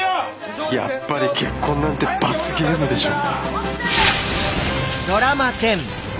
やっぱり結婚なんて罰ゲームでしょ。